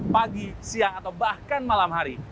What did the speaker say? pagi siang atau bahkan malam hari